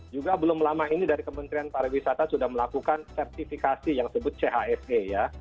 juga belum lama ini dari kementerian pariwisata sudah melakukan sertifikasi yang disebut chse ya